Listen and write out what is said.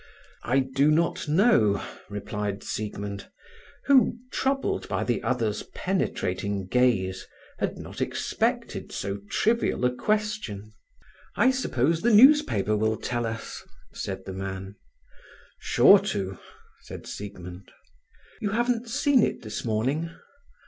"I do not know," replied Siegmund, who, troubled by the other's penetrating gaze, had not expected so trivial a question. "I suppose the newspaper will tell us?" said the man. Sure to," said Siegmund. "You haven't seen it this morning?"